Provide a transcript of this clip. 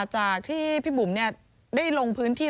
จากที่พี่บุ๋มได้ลงพื้นที่